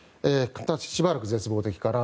しばらく絶望的かなと。